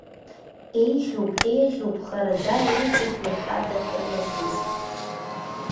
Еиӷьуп, еиӷьуп, хараӡа еиӷьуп иахьа дахьамысыз.